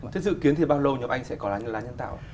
thế dự kiến thì bao lâu nhập anh sẽ có lá nhân tạo